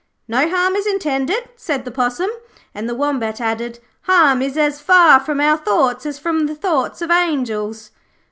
'No harm is intended,' said the Possum, and the Wombat added: 'Harm is as far from our thoughts as from the thoughts of angels.'